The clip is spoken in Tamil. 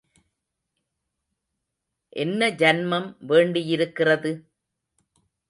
என்ன ஜன்மம் வேண்டியிருக்கிறது?